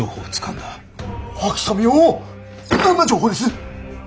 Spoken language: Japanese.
どんな情報です？